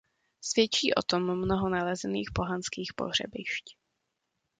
Svědčí o tom mnoho nalezených pohanských pohřebišť.